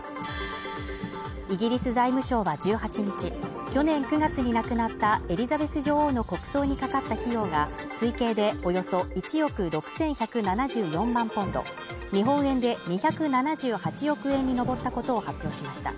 イギリス財務省は１８日、去年９月に亡くなったエリザベス女王の国葬にかかった費用が推計でおよそ１億６１７４万ポンド日本円で２７８億円に上ったことを発表しました。